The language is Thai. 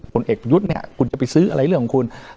ผลเอกประยุทธ์เนี่ยคุณจะไปซื้ออะไรเรื่องของคุณ